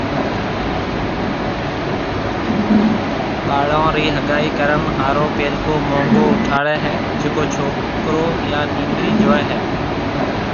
ٻاݪون رِي ھگائِي ڪرڻ ھارو پيلڪو مونگو اُٺاڙيَ ھيَََ جڪو ڇوڪرو يا نيڱرِي جوئيَ ھيَََ